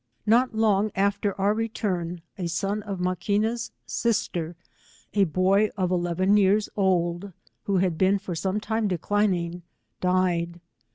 Not loBg after our return, a son of Maquina'a sister, a boy of eleven years old, who had been for some time declining, died.